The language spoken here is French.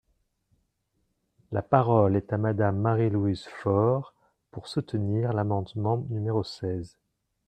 La parole est à Madame Marie-Louise Fort, pour soutenir l’amendement numéro seize.